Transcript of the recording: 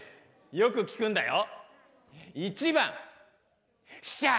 よく聞くんだよ。